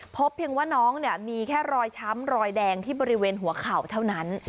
เพียงว่าน้องมีแค่รอยช้ำรอยแดงที่บริเวณหัวเข่าเท่านั้น